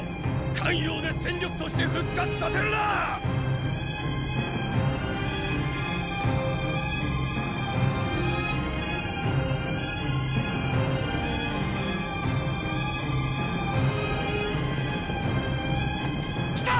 咸陽で戦力として復活させるな！来たっ！